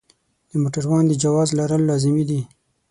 د موټروان د جواز لرل لازمي دي.